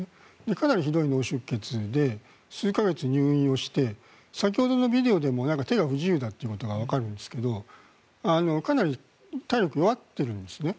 かなりひどい脳出血で数か月入院をして先ほどのビデオでも手が不自由だということがわかるんですけどかなり体力が弱ってるんですね。